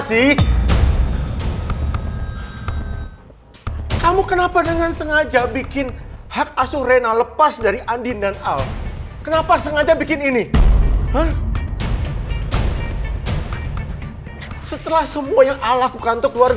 sampai jumpa di video selanjutnya